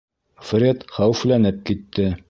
Фред хәүефләнеп китте.